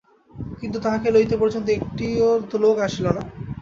কিন্তু তাহাকে লইতে পর্যন্ত একটিও তো লােক আসিল না!